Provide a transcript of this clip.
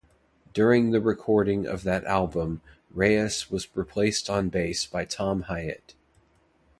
During the recording of that album, Reyes was replaced on bass by Tom Hyatt.